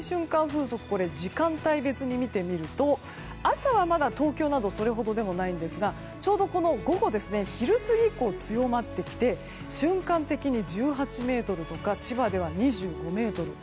風速時間帯別に見てみると朝はまだ東京などそれほどでもないんですがちょうど午後の昼過ぎ以降強まってきて瞬間的に１８メートルとか千葉では２５メートル。